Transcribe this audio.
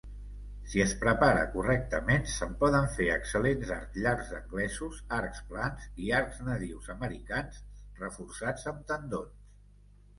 Si es prepara correctament, se'n poden fer excel·lents arcs llargs anglesos, arcs plans i arcs nadius americans reforçats amb tendons.